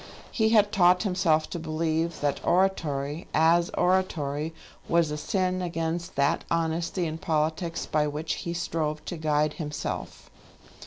He had taught himself to believe that oratory, as oratory, was a sin against that honesty in politics by which he strove to guide himself.